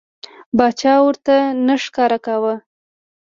باچا ورته نه ښکاره کاوه.